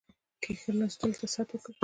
کښېنستلو ته ست وکړ.